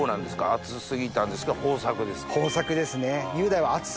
暑過ぎたんですけど豊作ですか？